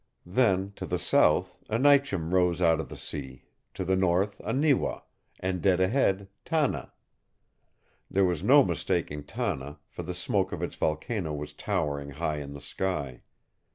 Then, to the south, Aneiteum rose out of the sea, to the north, Aniwa, and, dead ahead, Tanna. There was no mistaking Tanna, for the smoke of its volcano was towering high in the sky.